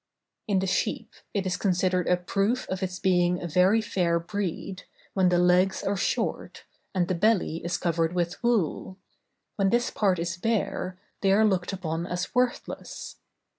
[Illustration: MUSK OX.—Ovibos Moschátus.] In the sheep, it is considered a proof of its being of a very fair breed, when the legs are short, and the belly is covered with wool; when this part is bare, they are looked upon as worthless.